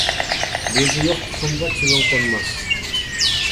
دېزى يوق تۇخۇمغا چىۋىن قونماس.